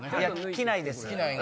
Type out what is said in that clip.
着ないです。